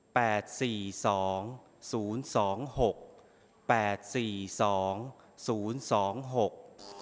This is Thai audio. สี่สองศูนย์สองหกแปดสี่สองศูนย์สองหก